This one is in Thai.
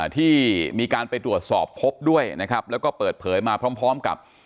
ที่มีการไปตรวจสอบพบด้วยนะครับแล้วก็เปิดเผยมาพร้อมกับ